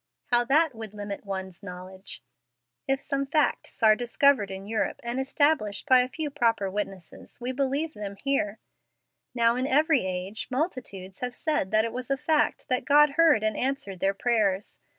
How that would limit one's knowledge. If some facts are discovered in Europe and established by a few proper witnesses, we believe them here. Now in every age multitudes have said that it was a fact that God heard and answered their prayers.